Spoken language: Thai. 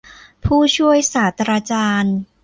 ผู้ช่วยศาสตราจารย์